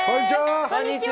こんにちは！